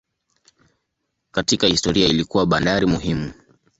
Katika historia ilikuwa bandari muhimu.